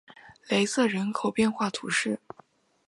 瑟雷人口变化图示